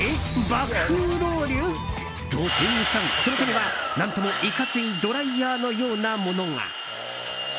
爆風ロウリュ？と、店員さん、その手には何ともいかついドライヤーのようなものが。